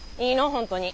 本当に。